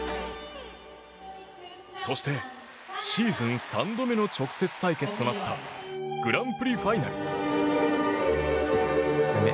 そして、シーズン３度目の直接対決となったグランプリファイナル。